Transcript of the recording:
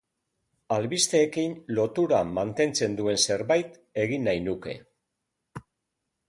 Albisteekin lotura mantentzen duen zerbait egin nahi nuke.